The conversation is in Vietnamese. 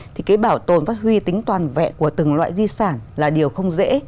thì cái bảo tồn phát huy tính toàn vẹn của từng loại di sản là điều không dễ